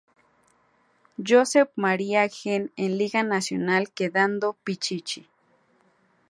Josep María Gene en liga Nacional quedando Pichichi.